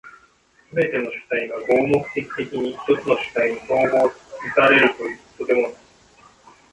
すべての主体が合目的的に一つの主体に綜合せられるということでもない。